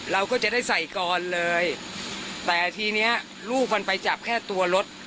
เราก็จะได้ใส่กรเลยแต่ทีเนี้ยลูกมันไปจับแค่ตัวรถ